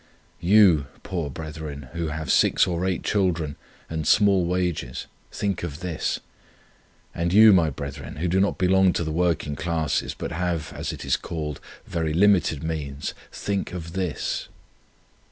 You, poor brethren, who have six or eight children and small wages, think of this; and you, my brethren, who do not belong to the working classes, but have, as it is called, very limited means, think of this!